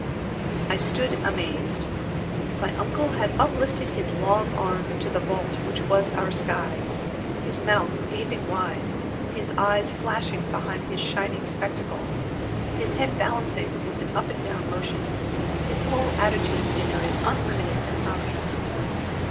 I stood amazed. My uncle had uplifted his long arms to the vault which was our sky; his mouth gaping wide, his eyes flashing behind his shining spectacles, his head balancing with an up and down motion, his whole attitude denoted unlimited astonishment.